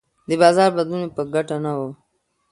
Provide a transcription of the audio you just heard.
د بازار بدلون مې په ګټه نه و.